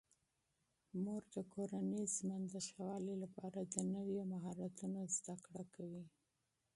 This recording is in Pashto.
مور د کورني ژوند د ښه والي لپاره د نویو مهارتونو زده کړه کوي.